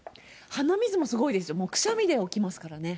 鼻水もすごいんですよ、くしゃみで起きますからね。